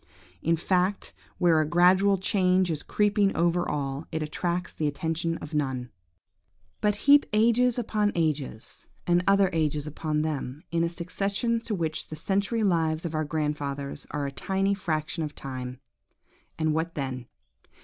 In fact, where a gradual change is creeping over all, it attracts the attention of none. But heap ages upon ages, and other ages upon them, in a succession to which the century lives of our grandfathers are a tiny fraction of time, and what then?